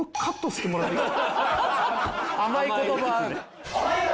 甘い言葉。